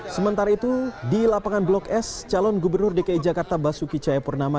sementara itu di lapangan blok s calon gubernur dki jakarta basuki cahayapurnama